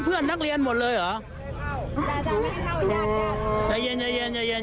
เพื่อผมวิ่งมาด้วยเก้าเมื่อกี้